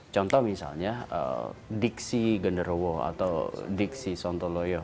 contoh misalnya diksi genderowo atau diksi sontoloyo